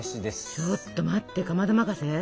ちょっと待ってかまど任せ？